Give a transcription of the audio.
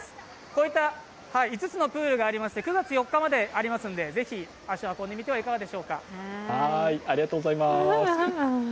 こういった５つのプールがありまして、９月４日までありますのでぜひ足を運んでみてはいかがでしょうか？